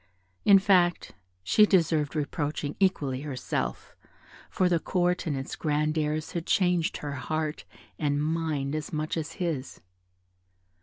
In fact, she deserved reproaching equally herself, for the Court and its grand airs had changed her heart and mind as much as his.